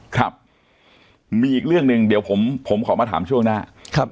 ครับมีอีกเรื่องหนึ่งเดี๋ยวผมขอมาถามช่วงหน้าครับ